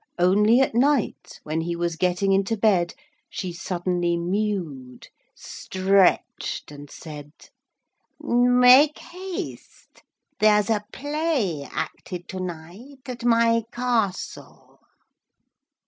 Only at night when he was getting into bed she suddenly mewed, stretched, and said: 'Make haste, there's a play acted to night at my castle.'